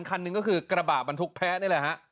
คันหนึ่งก็คือกระบะบรรทุกแพ้นี่แหละฮะ